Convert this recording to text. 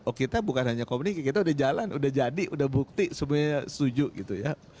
oh kita bukan hanya komunikasi kita udah jalan udah jadi udah bukti semuanya setuju gitu ya